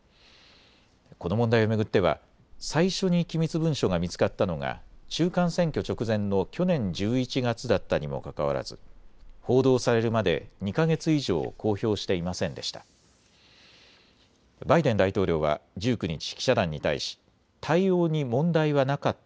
この問題を巡っては最初に機密文書が見つかったのが中間選挙直前の去年１１月だったにもかかわらず報道されるまで２か月以上、公表していませんでした。